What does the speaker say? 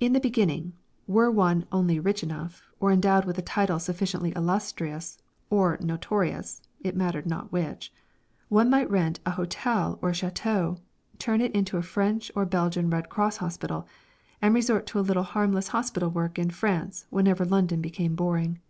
In the beginning, were one only rich enough, or endowed with a title sufficiently illustrious or notorious (it mattered not which), one might rent an hotel or a château, turn it into a French or Belgian Red Cross Hospital, and resort to a little harmless hospital work in France whenever London became boring.